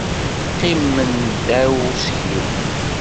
Qqimen ddaw useklu.